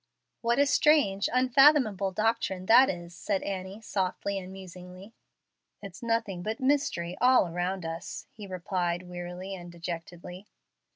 "What a strange, unfathomable doctrine that is!" said Annie, softly and musingly. "It's nothing but mystery all around us," he replied, wearily and dejectedly.